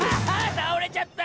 たおれちゃった！